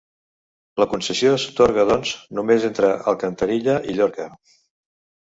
La concessió s'atorga, doncs, només entre Alcantarilla i Llorca.